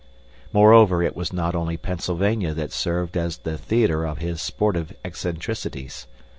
Moreover, it was not only Pennsylvania that served as the theater of his sportive eccentricities.